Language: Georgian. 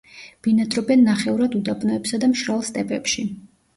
ბინადრობენ ნახევრად უდაბნოებსა და მშრალ სტეპებში.